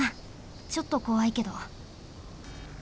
ちょっとこわいけど。